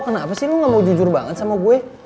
kenapa sih lu gak mau jujur banget sama gue